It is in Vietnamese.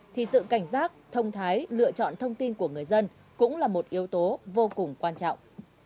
thì sự cảnh giác thông thái lựa chọn thông tin của người dân cũng là một yếu tố vô cùng quan trọng